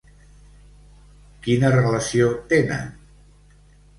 Quina relació tenen?